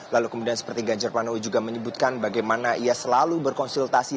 lalu kemudian seperti ganjar pranowo juga menyebutkan bagaimana ia selalu berkonsultasi